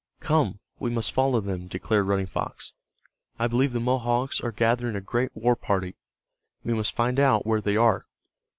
"Come, we must follow them," declared Running Fox. "I believe the Mohawks are gathering a great war party. We must find out where they are."